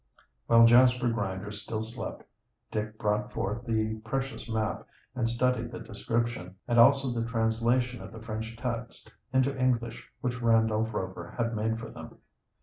While Jasper Grinder still slept Dick brought forth the precious map and studied the description, and also the translation of the French text into English, which Randolph Rover had made for them.